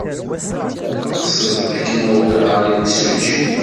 Teɣsed ad kem-awiɣ ɣer yimsujji?